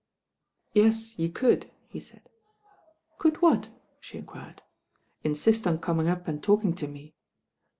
"Yes, you could," he said. "Could what?" she enquired. "Insist on coming up and talking to me."